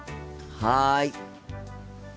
はい。